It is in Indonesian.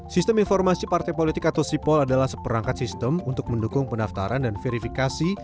sistem informasi partai politik atau sipol adalah seperangkat sistem untuk mendukung pendaftaran dan verifikasi